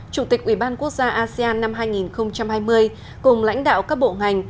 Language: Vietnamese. chủ tịch ủy ban quốc gia asean năm hai nghìn hai mươi cùng lãnh đạo các bộ ngành